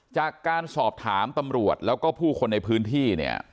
จากการสอบถามตำรวจแล้วก็ผู้คนในพื้นที่เนี่ย